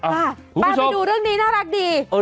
มาป้าไปดูเรื่องนี้น่ารักดีคุณผู้ชม